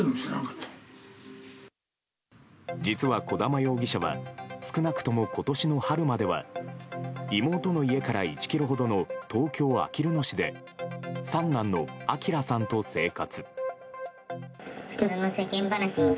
実は、小玉容疑者は少なくとも今年の春までは妹の家から１ｋｍほどの東京・あきる野市で三男の昭さんと生活。